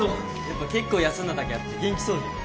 やっぱ結構休んだだけあって元気そうじゃん。